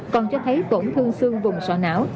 còn cho thấy tổn thương xương vùng sọ não